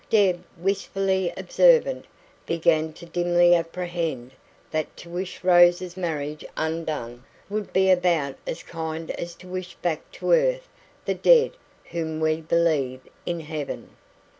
Deb, wistfully observant, began to dimly apprehend that to wish Rose's marriage undone would be about as kind as to wish back to earth the dead whom we believe in heaven.